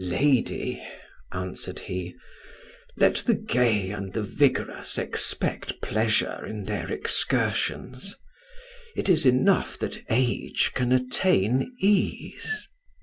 "Lady," answered he, "let the gay and the vigorous expect pleasure in their excursions: it is enough that age can attain ease.